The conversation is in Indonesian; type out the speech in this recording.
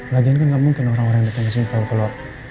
lagian kan gak mungkin orang orang yang datang ke sini tau kalo